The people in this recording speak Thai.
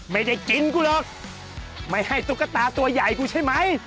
ไม่ได้กินกูหรอกไม่ให้ตุ๊กตาตัวใหญ่กูใช่ไหม